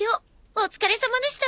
お疲れさまでした。